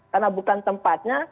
karena bukan tempatnya